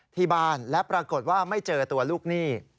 ที่บ้านและปรากฏว่าไม่เจอตัวลูกหนี้